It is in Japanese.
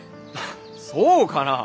そうかなぁ。